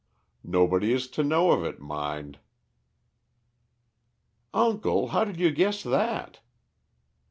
Nobody is to know of it, mind." "Uncle, how did you guess that?"